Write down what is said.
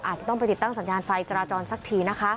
อาจจะต้องไปติดตั้งสัญญาณไฟจราจรสักทีนะคะ